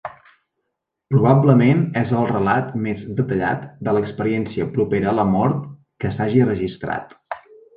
Probablement és el relat més detallat de l'experiència propera a la mort que s'hagi registrat.